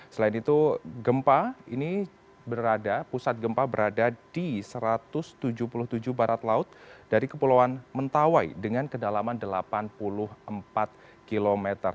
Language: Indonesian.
selain itu gempa ini berada pusat gempa berada di satu ratus tujuh puluh tujuh barat laut dari kepulauan mentawai dengan kedalaman delapan puluh empat km